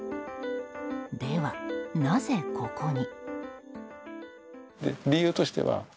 では、なぜここに？